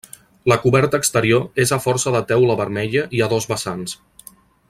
La coberta exterior és a força de teula vermella i a dos vessants.